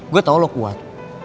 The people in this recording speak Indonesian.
gue tau lo kuat